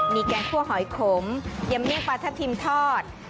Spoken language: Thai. มีแกงคั่วหอยขมยำเมี่ปลาทับทิมทอด